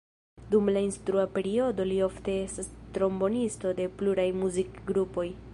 Dum la instrua periodo li ofte estas trombonisto de pluraj muzikgrupoj.